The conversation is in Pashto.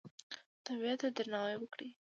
طبیعت ته درناوی وکړئ